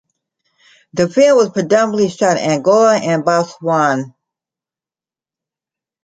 The film was predominantly shot in Angola and Botswana.